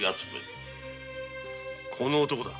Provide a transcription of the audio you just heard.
この男だ。